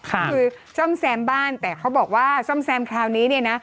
คือซ่อมแซมบ้านแต่เขาบอกว่าซ่อมแซมคราวนี้เนี่ยนะ